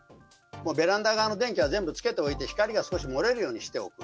ベランダ側の電気はつけておいて光が少し漏れるようにしておく。